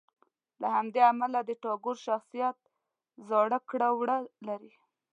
له همدې امله د ټاګور شخصیت زاړه کړه وړه لري.